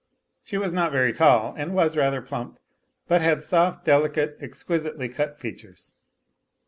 She was not very tall, and was rather plump, but had soft, delicate, exquisitely cut features.